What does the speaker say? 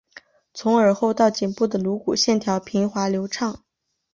从耳后到颈部的颅骨线条平滑流畅。